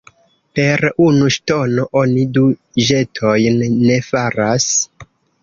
Per unu ŝtono oni du ĵetojn ne faras.